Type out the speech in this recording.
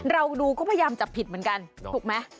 เราดูก็พยายามจับผิดเหมือนกันถูกไหม